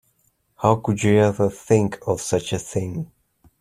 How could you ever think of such a thing?